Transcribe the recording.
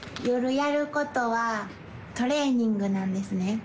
夜やることはトレーニングなんですね。